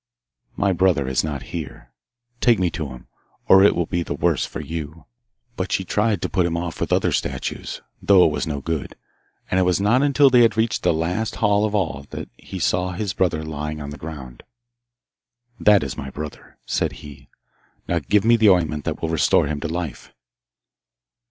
'My brother is not here. Take me to him, or it will be the worse for you.' But she tried to put him off with other statues, though it was no good, and it was not until they had reached the last hall of all that he saw his brother lying on the ground. 'That is my brother,' said he. 'Now give me the ointment that will restore him to life.